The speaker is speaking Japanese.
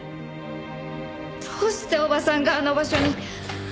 どうしておばさんがあの場所に。